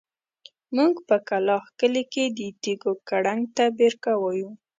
موږ په کلاخ کلي کې د تيږو کړنګ ته بېرکه وايو.